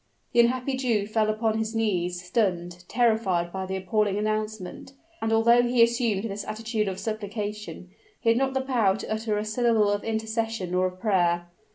The unhappy Jew fell upon his knees, stunned, terrified by the appalling announcement; and although he assumed this attitude of supplication, he had not the power to utter a syllable of intercession or of prayer.